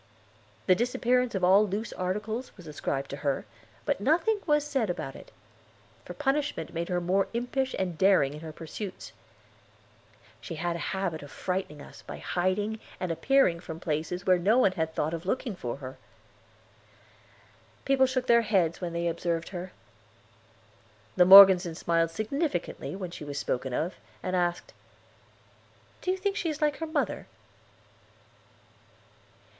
The disappearance of all loose articles was ascribed to her; but nothing was said about it, for punishment made her more impish and daring in her pursuits. She had a habit of frightening us by hiding, and appearing from places where no one had thought of looking for her. People shook their heads when they observed her. The Morgesons smiled significantly when she was spoken of, and asked: "Do you think she is like her mother?"